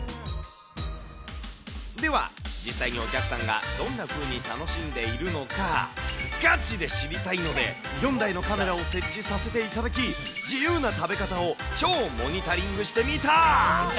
では、実際にお客さんがどんなふうに楽しんでいるのか、ガチで知りたいので、４台のカメラを設置させていただき、自由な食べ方を超モニタリングしてみた。